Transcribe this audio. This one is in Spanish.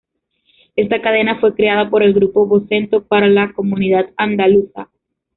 Esta cadena fue creada por el Grupo Vocento para la comunidad andaluza.